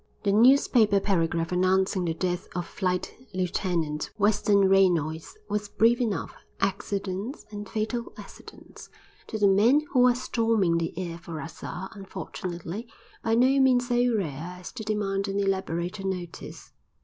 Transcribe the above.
The newspaper paragraph announcing the death of Flight Lieutenant Western Reynolds was brief enough; accidents, and fatal accidents, to the men who are storming the air for us are, unfortunately, by no means so rare as to demand an elaborated notice.